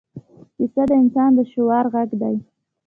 کیسه د انسان د شعور غږ دی.